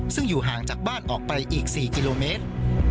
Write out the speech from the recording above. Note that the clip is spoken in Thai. ซึ่งอยู่ห่างจากบ้านออกไปอีก๔กิโลเมตร